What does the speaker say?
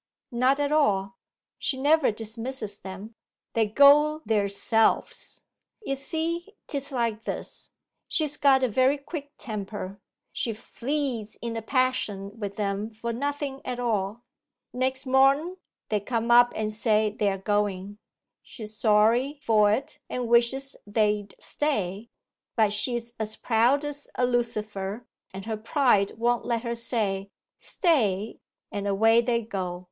'Not at all she never dismisses them they go theirselves. Ye see 'tis like this. She's got a very quick temper; she flees in a passion with them for nothing at all; next mornen they come up and say they are going; she's sorry for it and wishes they'd stay, but she's as proud as a lucifer, and her pride won't let her say, "Stay," and away they go.